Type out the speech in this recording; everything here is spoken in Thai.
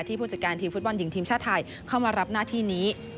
ผู้จัดการทีมฟุตบอลหญิงทีมชาติไทยเข้ามารับหน้าที่นี้